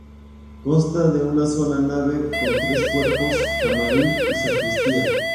Consta de una sola nave con tres cuerpos, camarín y sacristía.